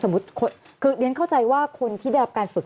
คือเรียนเข้าใจว่าคนที่ได้รับการฝึก